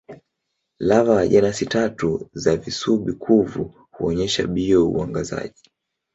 Lava wa jenasi tatu za visubi-kuvu huonyesha bio-uangazaji.